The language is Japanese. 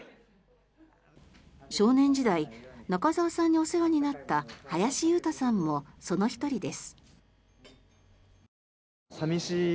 少年時代中澤さんにお世話になった林雄太さんもその１人です。